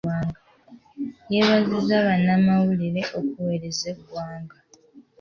Yeebazizza bannamawulire okuweereza eggwanga .